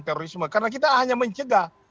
terorisme karena kita hanya mencegah